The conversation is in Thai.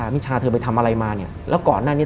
มิชาเธอไปทำอะไรมาเนี่ยแล้วก่อนหน้านี้